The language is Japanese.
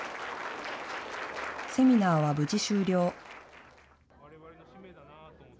セミナーは無事終了。